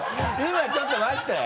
今ちょっと待って。